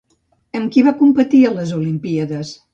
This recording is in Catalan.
Amb qui va competir a les Olimpíades?